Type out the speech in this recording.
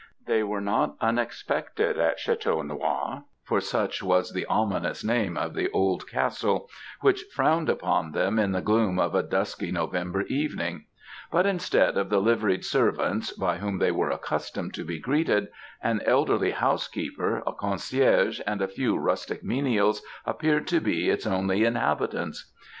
"They were not unexpected at Château Noir for such was the ominous name of the old castle, which frowned upon them in the gloom of a dusky November evening; but instead of the liveried servants, by whom they were accustomed to be greeted, an elderly housekeeper, a concierge, and a few rustic menials, appeared to be its only inhabitants.